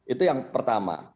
itu yang pertama